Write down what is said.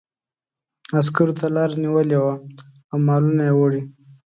عسکرو ته لاره نیولې وه او مالونه یې وړي.